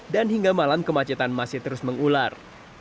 dan hingga malam kemacetan masih terus mengular